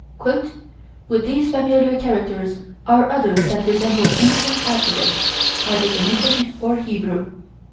"With these familiar characters are others that resemble ancient alphabets, either Phoenecian or Hebrew."